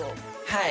はい。